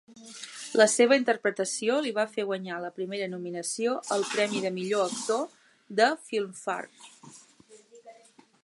La seva interpretació li va fer guanyar la primera nominació al premi de millor actor de Filmfare.